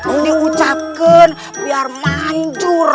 ini ucapkan biar manjur